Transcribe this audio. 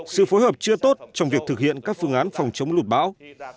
sự phối hợp chưa tốt trong việc thực hiện các phương án phòng chống lụt bão